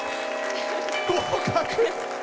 合格！